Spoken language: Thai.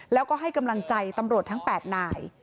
แล้วก็ให้กำลังใจตำรวจทั้ง๘นาย